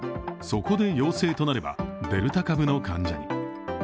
そこで陽性となればデルタ株の患者に。